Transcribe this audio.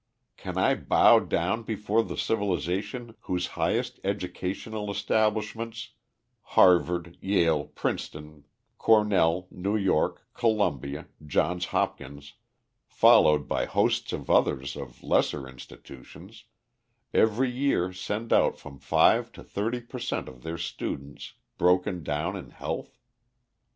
Can I bow down before the civilization whose highest educational establishments Harvard, Yale, Princeton, Cornell, New York, Columbia, Johns Hopkins, followed by hosts of others of lesser institutions every year send out from five to thirty per cent of their students broken down in health?